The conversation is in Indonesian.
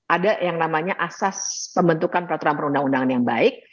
ada yang namanya asas pembentukan peraturan perundang undangan yang baik